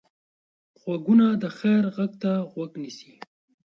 غوږونه د خیر غږ ته غوږ نیسي